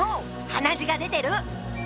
鼻血が出てる！